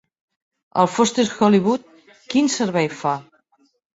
El Foster Hollywood quin servei fa?